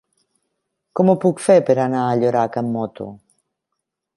Com ho puc fer per anar a Llorac amb moto?